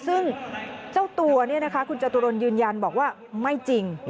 ซึ่งเจ้าตัวนี่นะคะคุณจตุรนทร์ยืนยันบอกว่าไม่จริง